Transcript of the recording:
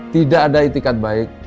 tidak ada itikat baik